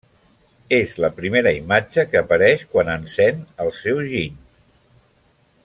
És la primera imatge que apareix quan encén el seu giny.